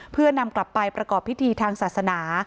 เพื่อนำกลับไปประกอบพิธีทางศาสนา